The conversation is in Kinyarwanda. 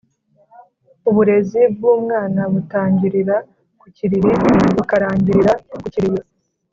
Uburezi bw’umwana butangirira ku kiriri bukarangirira ku kiriyo.